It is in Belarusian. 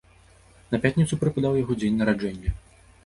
На пятніцу прыпадаў яго дзень нараджэння.